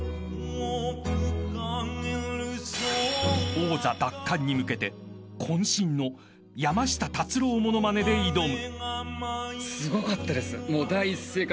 ［王座奪還に向けて渾身の山下達郎ものまねで挑む］